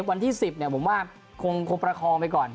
วันที่๑๐ผมว่าคงประคองไปก่อน